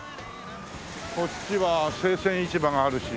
こっちは生鮮市場があるし。